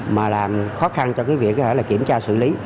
mà làm khó khăn cho cái việc là kiểm tra xử lý